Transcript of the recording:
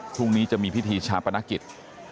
พรุ่งนี้จะมีพิธีชาปนกิจ